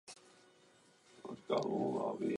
Vítejte opět po osmnácti letech.